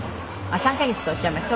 ３カ月っておっしゃいました？